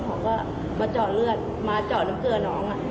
เขาก็มาเจาะเลือดมาเจาะน้ำเกลือน้อง